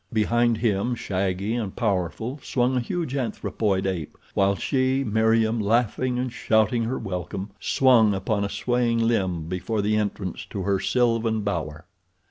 Behind him, shaggy and powerful, swung a huge anthropoid ape, while she, Meriem, laughing and shouting her welcome, swung upon a swaying limb before the entrance to her sylvan bower.